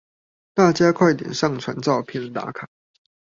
大家快點上傳照片打卡